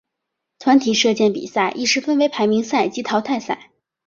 团体射箭比赛亦是分为排名赛及淘汰赛。